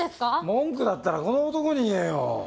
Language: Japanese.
文句だったらこの男に言えよ。